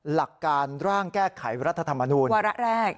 หลักการร่างแก้ไขรัฐธรรมนูญวาระแรก